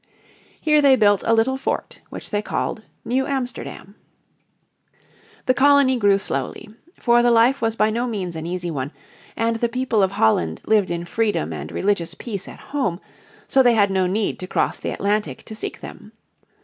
Here they built a little fort which they called New Amsterdam in 1626. The colony grew slowly. For the life was by no means an easy one, and the people of Holland lived in freedom and religious peace at home, so they had no need to cross the Atlantic to seek them.